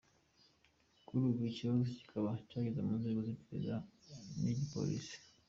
Kuri ubu ikibazo cyikaba cyageze mu nzego z’iperereza n’iz’igipolisi.